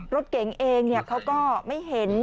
รถเก๋งเองเขาก็ไม่เห็น